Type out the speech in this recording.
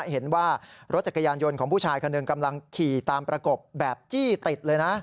เห็นว่ารถจักรยานยนต์ของผู้ชายคนหนึ่งกำลังขี่ตามประกบแบบจี้ติดเลยนะ